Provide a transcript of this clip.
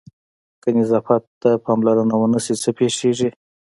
که نظافت ته پاملرنه ونه شي څه پېښېږي؟